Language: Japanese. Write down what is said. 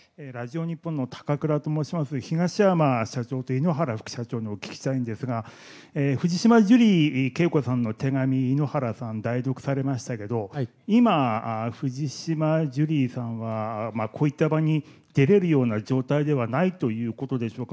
東山社長と井ノ原副社長にお聞きしたいんですが、藤島ジュリー景子さんの手紙、井ノ原さん、代読されましたけど、今、藤島ジュリーさんはこういった場に出れるような状態ではないということでしょうか。